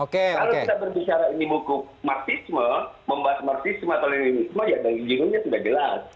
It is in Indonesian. kalau kita berbicara ini buku marxisme membahas marxisme atau leninisme ya dan jiwanya sudah jelas